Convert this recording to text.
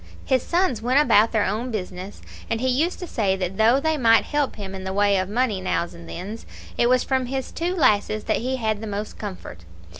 His sons went about their own business; and he used to say that though they might help him in the way of money nows and thens, it was from his two lasses that he had the most comfort.